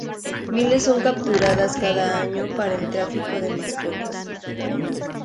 Miles son capturadas cada año para el tráfico de mascotas.